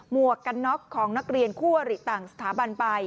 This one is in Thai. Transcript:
วกกันน็อกของนักเรียนคู่อริต่างสถาบันไป